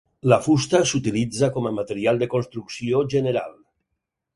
La fusta s'utilitza com a material de construcció general.